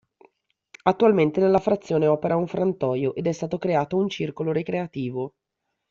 Attualmente nella frazione opera un frantoio ed è stato creato un circolo ricreativo.